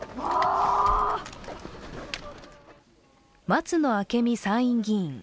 松野明美参院議員。